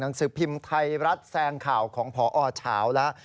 หนังสือพิมพ์ไทยรัฐแซงข่าวของพอเฉาแล้ว